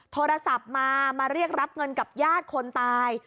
โทรศัพท์มามาเรียกรับเงินกับญาติคนตาย